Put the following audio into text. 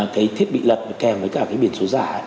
cái thiết bị lập kèm với cả cái biển số giả